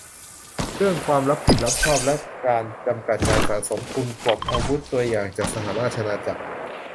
- เรื่องความรับผิดรับชอบและการจำกัดการสะสมทุน-"ปลดอาวุธ" ตัวอย่างจากสหราชอาณาจักร